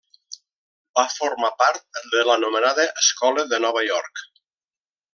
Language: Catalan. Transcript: Va formar part de l'anomenada Escola de Nova York.